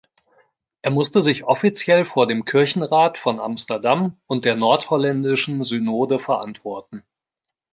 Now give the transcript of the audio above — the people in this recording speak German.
Er musste sich offiziell vor dem Kirchenrat von Amsterdam und der nordholländischen Synode verantworten.